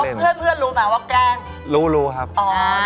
เพื่อนรู้ไหมว่าแกล้ง